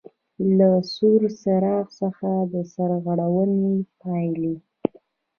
له سور څراغ څخه د سرغړونې پاېلې: